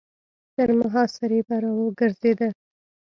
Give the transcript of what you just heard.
تر محاصرې به را ګرځېده.